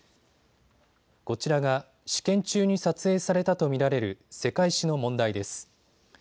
こちらが試験中に撮影されたと見られる世界史の問題です。